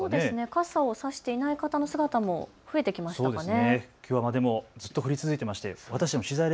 傘を差していない方の姿も増えてきましたかね。